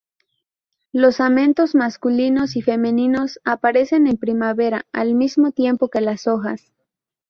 Los amentos masculinos y femeninos aparecen en primavera, al mismo tiempo que las hojas.